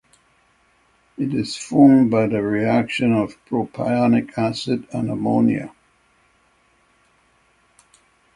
It is formed by the reaction of propionic acid and ammonia.